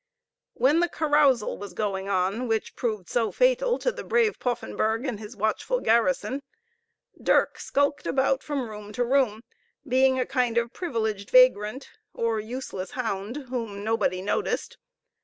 When the carousal was going on, which proved so fatal to the brave Poffenburgh and his watchful garrison, Dirk skulked about from room to room, being a kind of privileged vagrant, or useless hound whom nobody noticed.